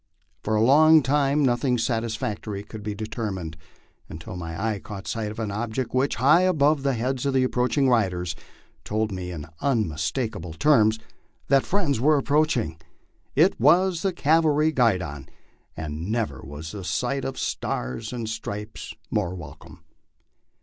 For a long time nothing satisfactory could be deter mined, until my eye caught sight of an object which, high above the heads of the approaching riders, told me in unmistakable terms that friends were ap proaching. It was the cavalry guidon, and never was the sight of stars and stripes more welcome.